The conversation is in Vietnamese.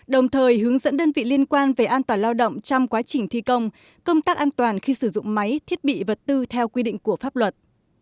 đồng thời hướng dẫn đơn vị liên quan về an toàn lao động trong quá trình thi công công tác an toàn khi sử dụng máy thiết bị vật tư theo quy định của pháp luật